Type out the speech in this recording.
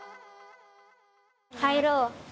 入ろう。